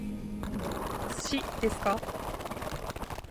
寿司ですか？